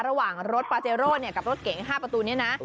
ระหว่างรถปาเจโร่กับรถเก๋ง๕ประตูนี้นะ